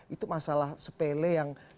itu masalah sepele yang